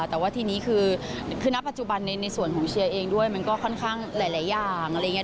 แต่ว่าทีนี้คือณปัจจุบันในส่วนของเชียร์เองด้วยมันก็ค่อนข้างหลายอย่างอะไรอย่างนี้